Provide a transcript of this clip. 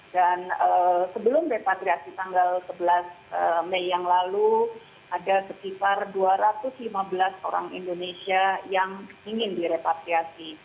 dan sebelum repatriasi tanggal sebelas mei yang lalu ada sekitar dua ratus lima belas orang indonesia yang ingin direpatriasi